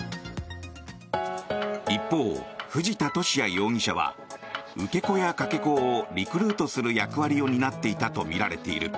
一方、藤田聖也容疑者は受け子やかけ子をリクルートする役割を担っていたとみられている。